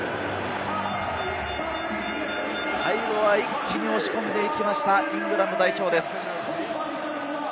最後は一気に押し込んでいきました、イングランド代表です。